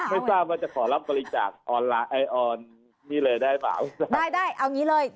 ไม่ทราบว่าจะขอรับบริจาคไอออนนี่เลยได้เปล่าได้ได้เอางี้เลย